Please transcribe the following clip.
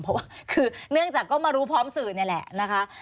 เพราะว่าคือเนื่องจากก็มารู้พร้อมสื่อนี่แหละนะคะ